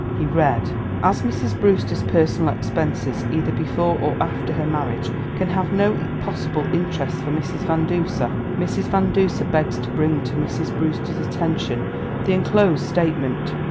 He read: "As Mrs. Brewster's personal expenses, either before or after her marriage, can have no possible interest for Mrs. Van Duser, Mrs. Van Duser begs to bring to Mrs. Brewster's attention the enclosed statement.